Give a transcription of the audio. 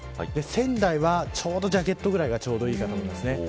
仙台は、ちょうどジャケットぐらいがいいと思います。